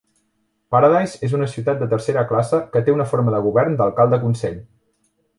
Paradise és una ciutat de tercera classe que té una forma de govern d'alcalde-consell.